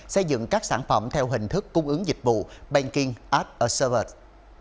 xây dựng các sản phẩm theo hình thức cung ứng dịch vụ banking as a service